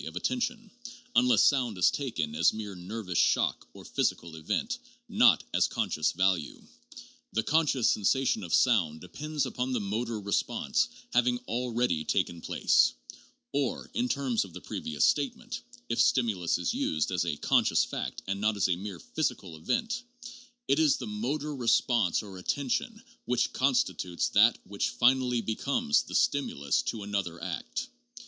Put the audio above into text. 3 6 3 of attention, unless sound is taken as mere nervous shock or physical event, not as conscious value. The conscious sen sation of sound depends upon the motor response having already taken place ; or, in terms of the previous statement (if stimulus is used as a conscious fact, and not as a mere physical event) it is the motor response or attention which constitutes that, which finally becomes the stimulus to another act.